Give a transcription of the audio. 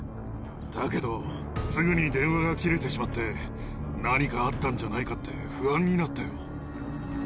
だけど、すぐに電話が切れてしまって、何かあったんじゃないかって不安になったよ。